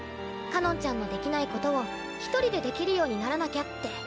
かのんちゃんのできないことを一人でできるようにならなきゃって。